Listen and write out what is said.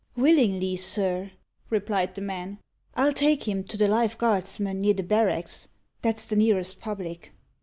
"Willingly, sir," replied the man. "I'll take him to the Life Guardsman, near the barracks that's the nearest public."